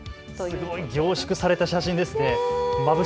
凝縮された写真ですね。